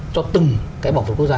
cho từng cái bảo vật quốc gia